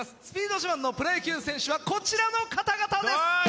スピード自慢のプロ野球選手はこちらの方々です。